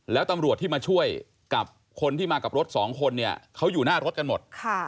แล้วตำรวจที่มาช่วยกับคนที่มากับรถสองคนเนี่ยเขาอยู่หน้ารถกันหมด